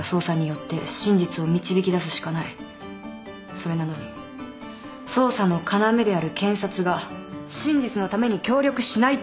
それなのに捜査の要である検察が真実のために協力しないと。